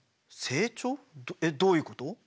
えっどういうこと？